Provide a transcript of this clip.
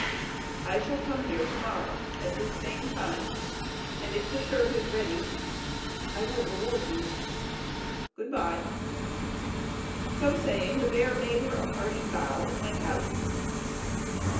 I shall come here to morrow at this same time, and if the shirt is ready I will reward you. Good bye!" So saying the bear made her a parting bow, and went out.